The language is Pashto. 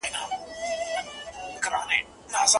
بيا هغې پر سپين ورغوي داسې دې ليکلي